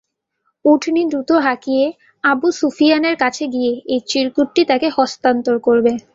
উটনী দ্রুত হাঁকিয়ে আবু সুফিয়ানের কাছে গিয়ে এই চিরকুটটি তাকে হস্তান্তর করবে।